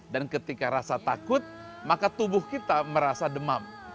dan ketika rasa takut maka tubuh kita merasa demam